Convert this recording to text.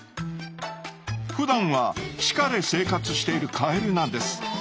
ふだんは地下で生活しているカエルなんです。